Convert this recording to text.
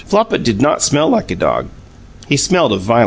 Flopit did not smell like a dog; he smelled of violets.